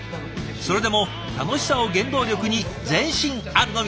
それでも楽しさを原動力に前進あるのみ。